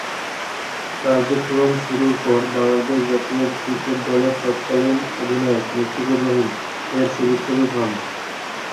কার্যক্রম শুরুর পর বাংলাদেশ জাতীয় ক্রিকেট দলের তৎকালীন অধিনায়ক মুশফিকুর রহিম এর শুভেচ্ছা দূত হন।।